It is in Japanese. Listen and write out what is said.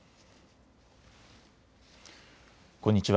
こんにちは。